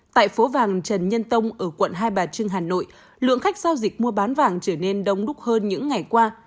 tại phố vàng trần nhân tông ở quận hai bà trưng hà nội lượng khách giao dịch mua bán vàng trở nên đông đúc hơn những ngày qua